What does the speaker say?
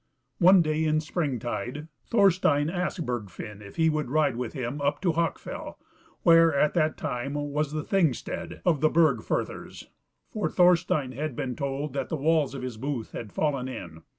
One day in spring tide Thorstein asked Bergfinn if he would ride with him up to Hawkfell, where at that time was the Thing stead of the Burg firthers; for Thorstein had been told that the walls of his booth had fallen in.